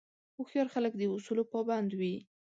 هوښیار خلک د اصولو پابند وي.